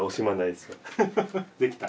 できた。